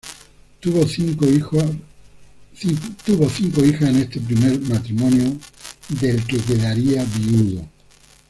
Tuvo cinco hijas en este primer matrimonio, con el cual quedaría viudo.